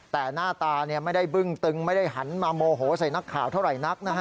แต่หน้าตาไม่ได้บึ้งตึงไม่ได้หันมาโมโหใส่นักข่าวเท่าไหร่นักนะฮะ